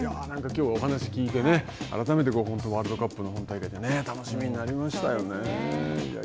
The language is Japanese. きょうお話を聞いて改めて本当ワールドカップの本大会が楽しみになりましたよね。